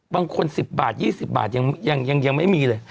บางคน๑๐บาท๒๐บาทยังไม่มีเลย